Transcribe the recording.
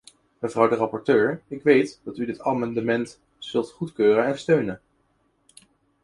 Mevrouw de rapporteur, ik weet dat u dit amendement zult goedkeuren en steunen.